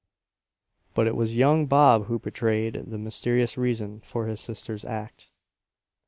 But it was young Bob who betrayed the mysterious reason for his sister's act.